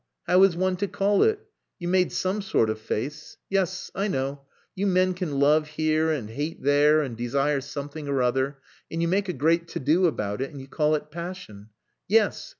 How is one to call it? You made some sort of face. Yes, I know! You men can love here and hate there and desire something or other and you make a great to do about it, and you call it passion! Yes!